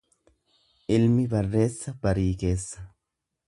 Ilmi barreessa barii keessa.